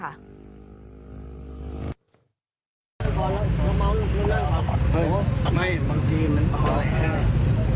กลาง๒คน